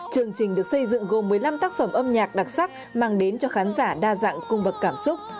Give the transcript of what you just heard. chương trình được xây dựng gồm một mươi năm tác phẩm âm nhạc đặc sắc mang đến cho khán giả đa dạng cung bậc cảm xúc